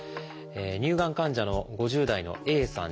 乳がん患者の５０代のＡさん